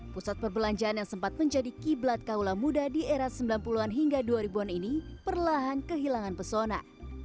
pusat perbelanjaan yang sempat menjadi kiblat kaula muda di era sembilan puluh an hingga dua ribu an ini perlahan kehilangan pesona